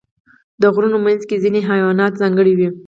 د غرونو منځ کې ځینې حیوانات ځانګړي وي.